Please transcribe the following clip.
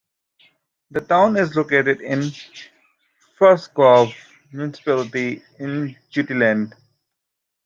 The town is located in Favrskov municipality in Jutland.